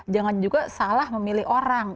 jangan juga salah memilih orang